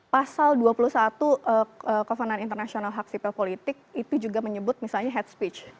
pasal dua puluh satu kovenan international haksi perpolitik itu juga menyebut misalnya head speech